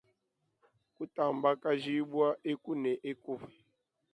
Kutambakashibua eku ne eku.